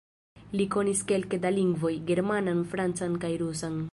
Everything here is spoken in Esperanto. Li konis kelke da lingvoj: germanan, francan kaj rusan.